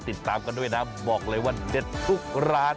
ติดตามกันด้วยนะบอกเลยว่าเด็ดทุกร้าน